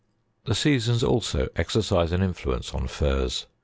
69. The seasons also exercise an influence on furs.